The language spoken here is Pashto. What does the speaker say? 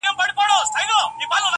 نه يې وليده كراره ورځ په ژوند كي-